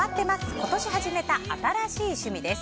今年始めた新しい趣味です。